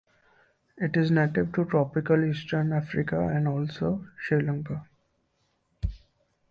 It is native to Tropical eastern Africa and also Sri Lanka.